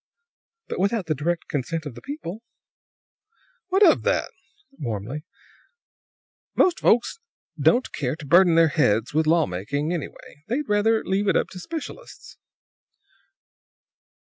"But without the direct consent of the people." "What of that?" warmly. "Most folks don't care to burden their heads with law making, anyhow. They'd rather leave it up to specialists."